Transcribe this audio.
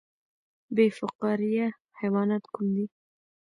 بې فقاریه حیوانات کوم دي؟